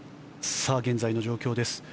現在の状況です。